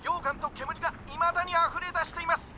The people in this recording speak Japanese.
けむりがいまだにあふれだしています。